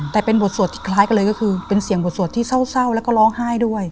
แต่เป็นบทสวดที่คล้ายกันเลยก็คือเป็นเสียงบทสวดที่เศร้าแล้วก็ร้องไห้ด้วย